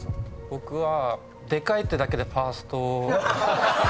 僕はでかいってだけでファーストを。